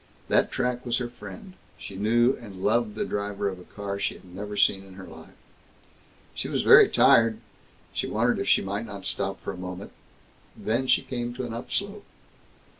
That track was her friend; she knew and loved the driver of a car she had never seen in her life. She was very tired. She wondered if she might not stop for a moment. Then she came to an upslope.